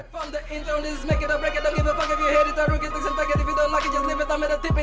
dia juga memiliki nama yang diberikan oleh tuhan